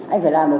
anh phải làm được